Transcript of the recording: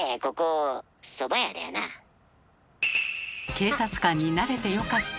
警察官になれてよかった。